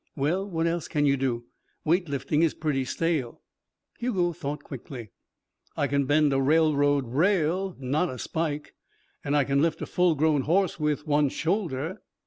"Well, what else can you do? Weight lifting is pretty stale." Hugo thought quickly. "I can bend a railroad rail not a spike. I can lift a full grown horse with one one shoulder.